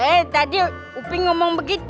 eh tadi upi ngomong begitu